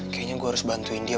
kayaknya gue harus bantuin dia